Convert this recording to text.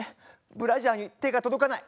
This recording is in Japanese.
ブラジャーに手が届かない。